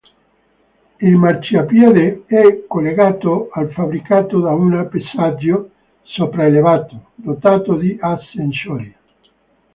Il marciapiede è collegato al fabbricato da un passaggio sopraelevato, dotato di ascensori.